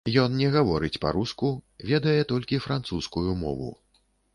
Ён не гаворыць па-руску, ведае толькі французскую мову.